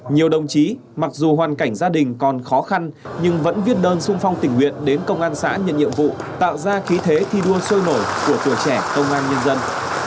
nhiều đồng chí mặc dù hoàn cảnh gia đình còn khó khăn nhưng vẫn viết đơn sung phong tình nguyện đến công an xã nhận nhiệm vụ tạo ra khí thế thi đua sôi nổi của tuổi trẻ công an nhân dân